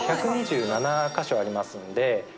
１２７か所ありますんで。